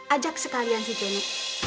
ajak sekalian si jenik